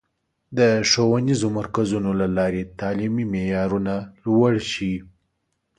د ښوونیزو مرکزونو له لارې تعلیمي معیارونه لوړ شي.